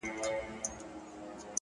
هغه قبرو ته ورځم!!